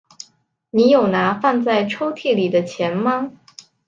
你有拿放在抽屉里的钱吗？